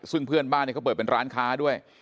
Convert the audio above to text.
ซึ่งเพื่อนบ้านเขาเปิดเป็นร้านค้าด้วย